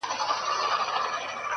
څنگه دي هېره كړمه.